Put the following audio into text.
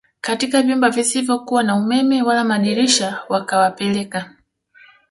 katika vyumba visivyokuwa na umeme wala madirisha wakawapeleka